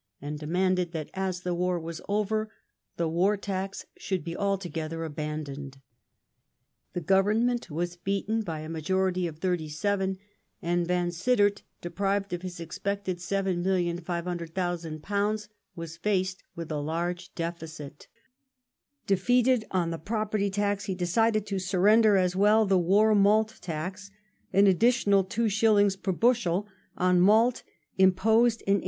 and demanded that as the war was over the war tax should be altogether abandoned. The Government was beaten by a majority of 37, and Vansittart, deprived of his expected £7,500,000, was faced with a large deficit. Defeated on the Property tax, he decided to surrender as well the " war malt tax "— an additional 2s. per bushel on malt imposed in 1804.